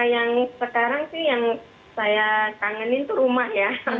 yang sekarang sih yang saya kangenin tuh rumah ya